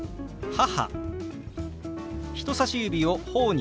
「母」。